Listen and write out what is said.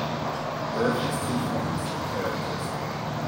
Earth has two forms, or characters.